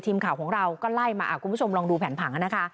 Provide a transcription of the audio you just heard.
ทีมข่าวของเราก็ไล่มาคุณผู้ชมลองดูแผนผังนะคะ